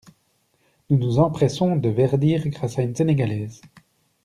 Nous nous empressons de verdir grâce à une sénégalaise.